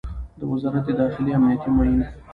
د وزارت داخلې امنیتي معین